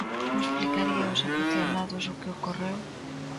Como explicaría aos afeccionados o que ocorreu?